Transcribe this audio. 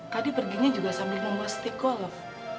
tadi perginya juga sambil membuat stick golf